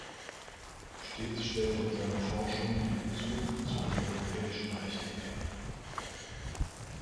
Stets stellt er in seiner Forschung den Bezug zum Europäischen Recht her.